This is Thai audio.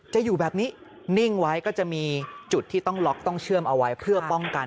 จะอยู่แบบนี้นิ่งไว้ก็จะมีจุดที่ต้องล็อกต้องเชื่อมเอาไว้เพื่อป้องกัน